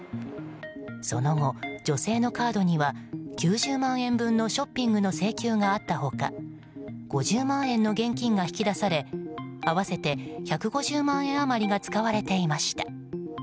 その後、女性のカードには９０万円分のショッピングの請求があった他５０万円の現金が引き出され合わせて１５０万円余りが使われていました。